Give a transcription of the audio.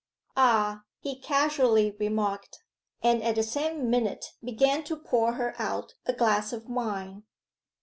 'Ah,' he casually remarked, and at the same minute began to pour her out a glass of wine.